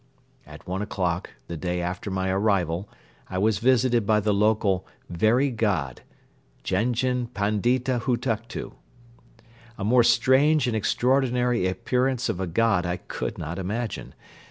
At one o'clock the day after my arrival I was visited by the local "Very God," Gheghen Pandita Hutuktu. A more strange and extraordinary appearance of a god I could not imagine.